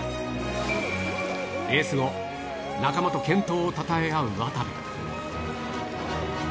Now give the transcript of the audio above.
レース後、仲間と健闘をたたえ合う渡部。